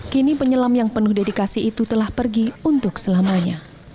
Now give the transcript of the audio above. kini penyelam yang penuh dedikasi itu telah pergi untuk selamanya